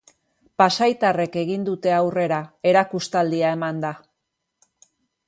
Pasaitarrek egin dute aurrera, erakustaldia emanda.